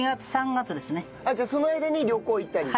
じゃあその間に旅行行ったり？